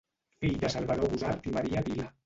Fill de Salvador Gusart i Maria Vila.